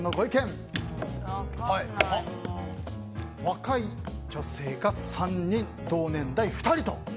若い女性が３人同年代２人と。